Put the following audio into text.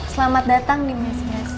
selamat datang nih mas